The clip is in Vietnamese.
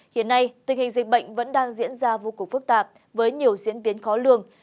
hiện nay tình hình dịch bệnh vẫn đang diễn ra vô cùng phức tạp với nhiều diễn biến khó lường